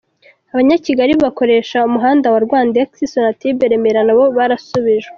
Abanyakigali bakoresha umuhanda wa Rwandex-Sonatubes-Remera na bo barasubijwe.